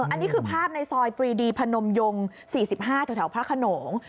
อันนี้คือภาพในซอยปรีดีพนมยง๔๕แถวพระขนง